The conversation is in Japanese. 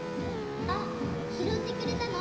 あっひろってくれたの？